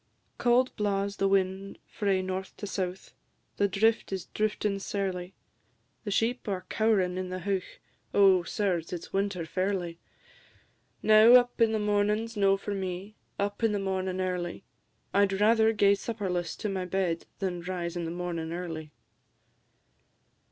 Cauld blaws the wind frae north to south; The drift is drifting sairly; The sheep are cow'rin' in the heuch; Oh, sirs, it 's winter fairly! Now, up in the mornin's no for me, Up in the mornin' early; I'd rather gae supperless to my bed Than rise in the mornin' early.